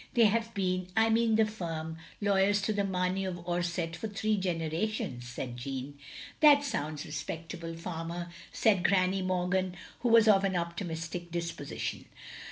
"They have been — I mean the firm — ^lawyers to the Mameys of Orsett for three generations, " said Jeanne. "That sounds respectable, farmer," said Granny Morgan, who was of an optimistic disposition.